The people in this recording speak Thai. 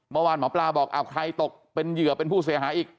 เมื่อวานหมอปลาบอกใครตกเป็นเหยื่อเป็นผู้เสียหายอีก